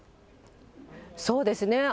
そうですね。